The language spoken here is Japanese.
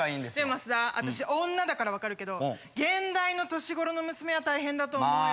でもさ私女だから分かるけど現代の年頃の娘は大変だと思うよ。